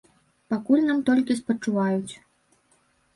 Пакуль нам толькі спачуваюць.